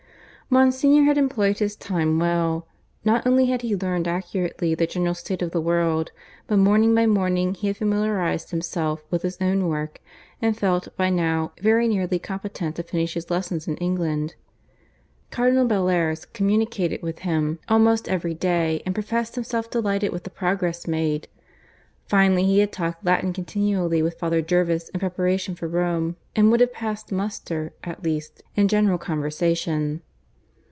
Monsignor had employed his time well. Not only had he learned accurately the general state of the world, but morning by morning he had familiarized himself with his own work, and felt, by now, very nearly competent to finish his lessons in England. Cardinal Bellairs communicated with him almost every day, and professed himself delighted with the progress made. Finally he had talked Latin continually with Father Jervis in preparation for Rome, and would have passed muster, at least, in general conversation.